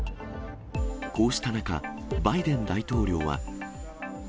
こうした中、バイデン大統領は。